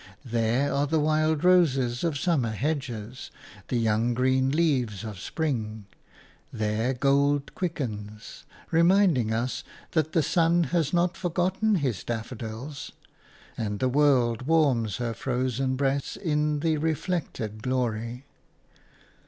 There are the wild roses of summer hedges, the young green leaves of spring; there gold quickens, reminding us that the sun has not forgotten his daffodils; and the world warms her frozen breast in the reflected glory.